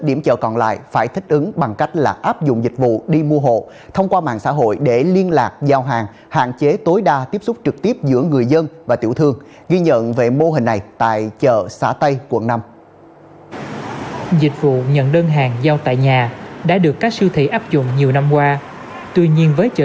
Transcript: dịch vụ nhận đơn hàng giao tại nhà đã được các siêu thị áp dụng nhiều năm qua tuy nhiên với chợ